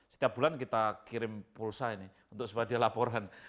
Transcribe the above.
setiap bulan kita kirim pulsa ini untuk supaya dia laporan